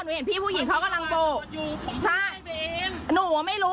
เห็นพี่ผู้หญิงเขากำลังโกะใช่หนูอ่ะไม่รู้